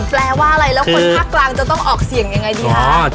แปลว่าอะไรแล้วคนภาคกลางจะต้องออกเสียงยังไงดีคะ